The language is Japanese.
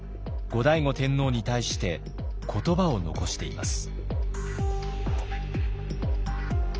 後醍醐天皇に対して言葉を残しています。